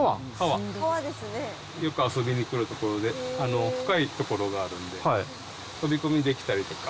よく遊びに来る所で、深い所があるんで、飛び込みできたりとか。